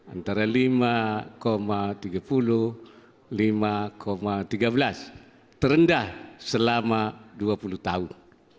antara lima tiga puluh lima tiga belas terendah selama dua puluh tahun